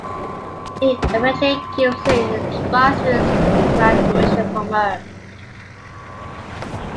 He eventually gives in and tries to extract information from her.